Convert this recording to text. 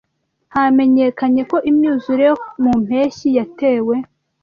hamenyekane ko imyuzure yo mu mpeshyi yatewe